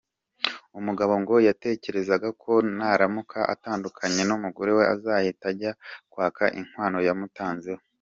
Umugabo ngo yatekerezaga ko naramuka atandukanye n’umugore azahita ajya kwaka inkwano yamutanzeho.